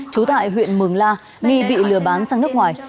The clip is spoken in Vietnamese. trú tại huyện mường la nghi bị lừa bán sang nước ngoài